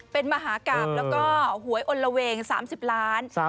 เป็นมหากราบแล้วก็หวยอลละเวง๓๐ล้าน